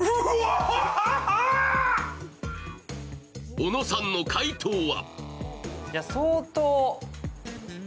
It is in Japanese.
小野さんの解答は？